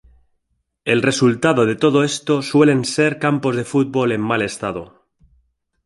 El resultado de todo esto suelen ser campos de fútbol en mal estado.